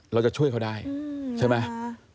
เราจะช่วยเขาได้ใช่ไหม